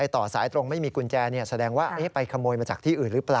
ต่อสายตรงไม่มีกุญแจแสดงว่าไปขโมยมาจากที่อื่นหรือเปล่า